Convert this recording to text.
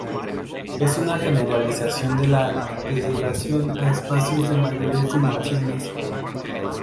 Es una generalización de la teselación a espacios de mayores dimensiones.